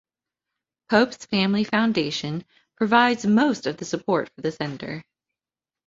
Pope's family foundation provides most of the support for the center.